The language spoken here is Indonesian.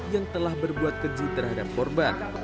yang telah berbuat keji terhadap korban